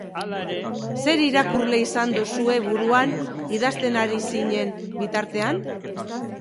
Zer irakurle izan duzue buruan idazten ari zinen bitartean?